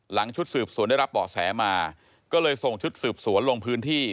ชุดสืบสวนได้รับเบาะแสมาก็เลยส่งชุดสืบสวนลงพื้นที่